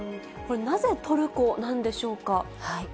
これ、なぜトルコなんでしょうか。